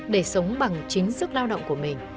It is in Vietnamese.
để sống bằng chính sức lao động của mình